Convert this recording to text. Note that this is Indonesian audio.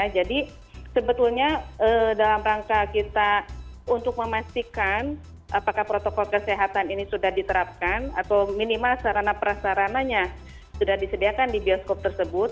jadi sebetulnya dalam rangka kita untuk memastikan apakah protokol kesehatan ini sudah diterapkan atau minimal sarana prasarananya sudah disediakan di bioskop tersebut